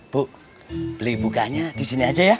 bu beli bukanya disini aja ya